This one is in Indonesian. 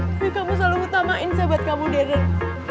tapi kamu selalu utamain sahabat kamu deren